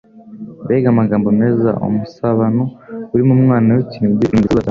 Mbega amagambo meza ! Umusabano uri mu Mwana w'ikinege uri mu gituza cya Se,